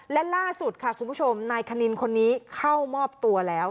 และล่าสุดค่ะคุณผู้ชมนายคณินคนนี้เข้ามอบตัวแล้ว